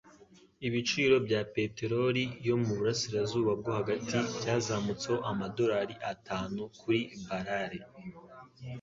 Ibiciro bya peteroli yo mu burasirazuba bwo hagati byazamutseho amadorari atanu kuri barrale